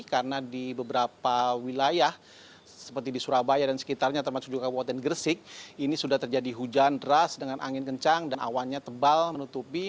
karena di beberapa wilayah seperti di surabaya dan sekitarnya termasuk juga kabupaten gresik ini sudah terjadi hujan deras dengan angin kencang dan awannya tebal menutupi